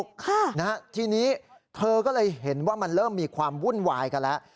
ค่ะนะฮะทีนี้เธอก็เลยเห็นว่ามันเริ่มมีความวุ่นวายกันแล้ว